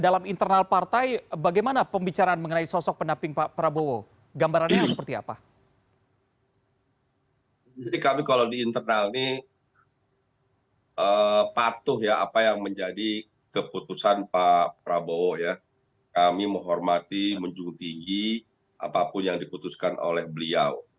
kami menghormati menjung tinggi apapun yang diputuskan oleh beliau